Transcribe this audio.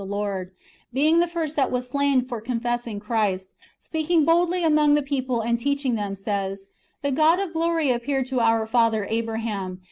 the Lord, beirig the first that was slain for confesshig Christ, speaking boldly among the people, and teaching them, says :" The God of glory appeared to our father Abraham